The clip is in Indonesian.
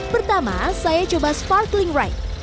pertama saya coba sparkling right